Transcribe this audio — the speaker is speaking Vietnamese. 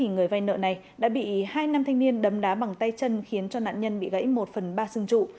người vay nợ này đã bị hai nam thanh niên đấm đá bằng tay chân khiến cho nạn nhân bị gãy một phần ba xương trụ